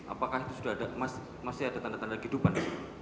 apakah itu sudah ada emas masih ada tanda tanda kehidupan